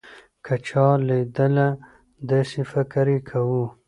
که چا لېدله داسې فکر يې کوو.